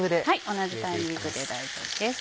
同じタイミングで大丈夫です。